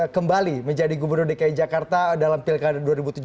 kembali menjadi gubernur dki jakarta dalam pilkada dua ribu tujuh belas